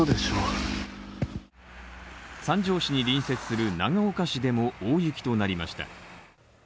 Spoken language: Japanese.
三条市に隣接する長岡市でも大雪となりました。